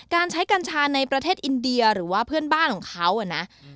การใช้กัญชาในประเทศอินเดียหรือว่าเพื่อนบ้านของเขานะ